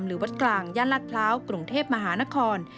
วัดกลางย่านรัฐพร้าวกรุงเทพมหานคร